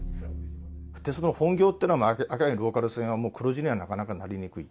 鉄道の本業というのは、赤のローカル線はもう黒字にはなかなかなりにくい。